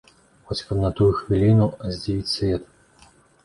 Хоць каб на тую хвіліну, а здзівіць свет.